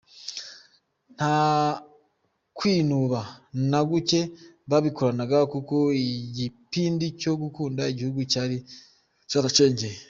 Ntakwinuba na guke babikoranaga kuko igipindi cyo gukunda igihugu cyari cyaracengeye.